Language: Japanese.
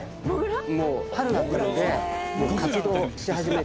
もう春になったので活動し始めてる。